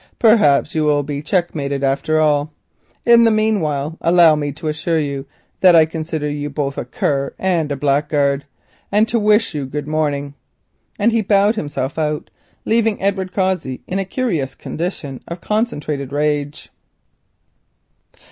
Perhaps you will be checkmated after all. In the meanwhile allow me again to assure you that I consider you both a cur and a blackguard, and to wish you good morning." And he bowed himself out, leaving Edward Cossey in a curious condition of concentrated rage.